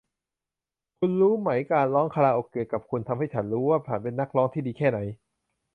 คุณรู้ไหมการร้องคาราโอเกะกับคุณทำให้ฉันรู้ว่าฉันเป็นนักร้องที่ดีแค่ไหน